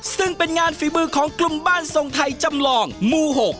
ซึ่งเป็นงานฝีมือของกลุ่มบ้านทรงไทยจำลองหมู่๖